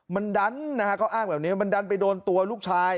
มันดันนะฮะเขาอ้างแบบนี้มันดันไปโดนตัวลูกชาย